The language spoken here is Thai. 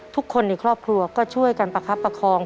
ทุกคนในครอบครัวก็ช่วยกันประคับประคอง